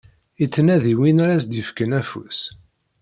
Yettnadi win ara s-d-ifken afus